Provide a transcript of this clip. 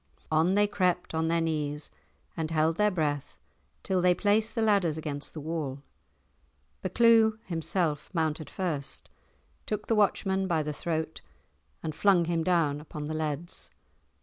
On they crept on their knees and held their breath till they placed the ladders against the wall. Buccleuch himself mounted first, took the watchman by the throat and flung him down upon the leads.